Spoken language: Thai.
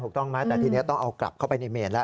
ถูกต้องไหมแต่ทีนี้ต้องเอากลับเข้าไปในเมนแล้ว